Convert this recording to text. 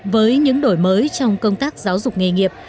với những đổi mới trong công tác giáo dục nghề nghiệp